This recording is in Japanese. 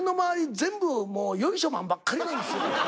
全部もうよいしょマンばっかりなんですよ。